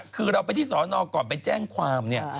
คือเราไปที่สอนอก่อนไปแจ้งความเนี่ย